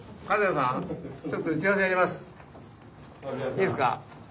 いいですか？